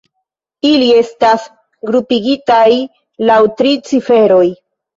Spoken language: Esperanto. Ili estas grupigitaj laŭ tri ciferoj.